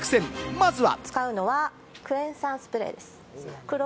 まずは。